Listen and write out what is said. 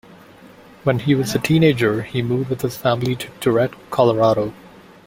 When he was a teenager he moved with his family to Turret, Colorado.